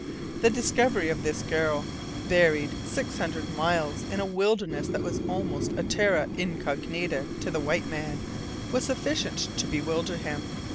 The discovery of this girl, buried six hundred miles in a wilderness that was almost a terra incognita to the white man, was sufficient to bewilder him.